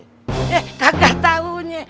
eh kagak tahunya